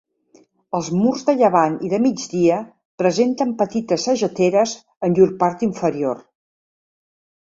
Els murs de llevant i de migdia presenten petites sageteres en llur part inferior.